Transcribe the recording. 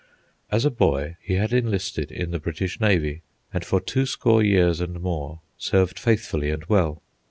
As a boy he had enlisted in the British navy, and for two score years and more served faithfully and well.